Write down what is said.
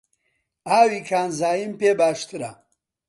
ئاوی کانزاییم پێ باشترە.